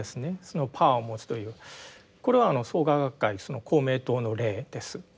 そのパワーを持つというこれはあの創価学会公明党の例です。